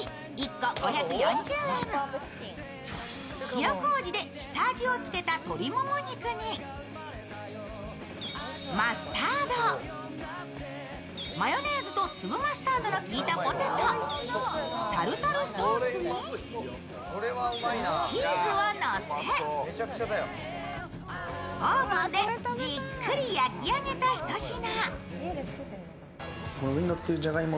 塩こうじで下味をつけた鶏もも肉に、マスタード、マヨネーズと粒マスタードの効いたポテト、タルタルソースにチーズをのせ、オーブンでじっくり焼き上げた一品。